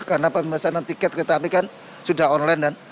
karena pemasanan tiket kereta api kan sudah online